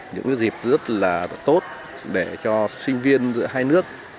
những dịp rất là tốt để cho sinh viên giữa hai nước